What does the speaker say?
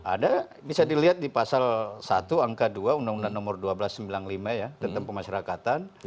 ada bisa dilihat di pasal satu angka dua undang undang nomor dua belas sembilan puluh lima ya tentang pemasyarakatan